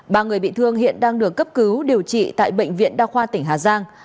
ba người bị thương hiện đang được cấp cứu điều trị tại bệnh viện đa khoa tỉnh hà giang